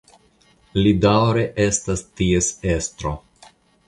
Li daŭre estas ties estro.